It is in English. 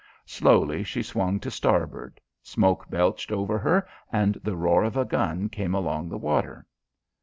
Slowly she swung to starboard; smoke belched over her and the roar of a gun came along the water.